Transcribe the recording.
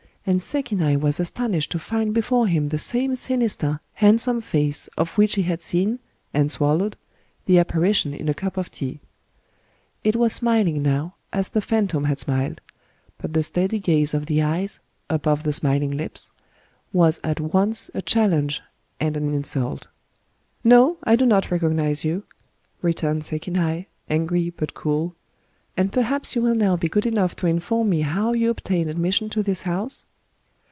And Sekinai was astonished to find before him the same sinister, handsome fiice of which he had seen, and swallowed, the apparition in a cup of tea. It was smiling now, as the phantom had smiled; but the steady gaze of the eyes, above the smiling lips, was at once a challenge and an insult. " No, I do not recognize you," returned Sekinai, angry but cool; — "and perhaps you will now be good enough to inform me how you obtained admission to this house